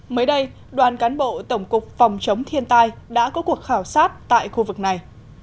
mới đây đoàn cán bộ tổng cục phòng chống thiên tai đã có cuộc khảo sát tại khu vực này